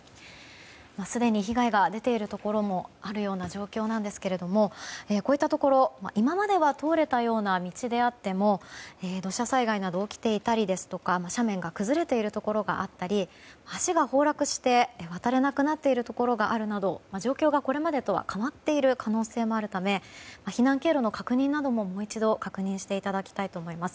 すでに被害が出ているところもあるような状況ですけどもこういったところ、今までは通れたような道であっても土砂災害などが起きていたりですとか斜面が崩れているところがあったり橋が崩落して渡れなくなっているところもあるなど状況がこれまでとは変わっている可能性もあるため避難経路の確認などももう一度していただきたいと思います。